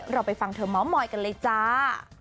เราไปฟังเธอเมาส์มอยกันเลยจ้า